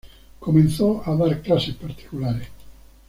Comenzó a dar clases particulares.